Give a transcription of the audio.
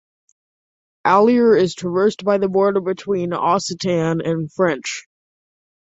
Allier is traversed by the border between Occitan and French.